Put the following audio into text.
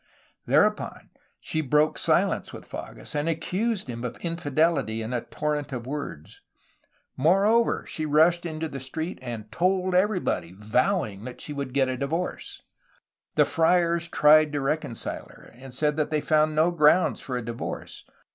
Thereupon she broke silence with Fages, and accused him of infidelity in a torrent of words. More over, she rushed into the street and ^Hold everybody,^' vowing that she would get a divorce. The friars tried to reconcile her, and said that they found no grounds for a divorce.